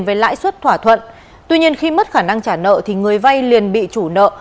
với lãi suất thỏa thuận tuy nhiên khi mất khả năng trả nợ thì người vay liền bị chủ nợ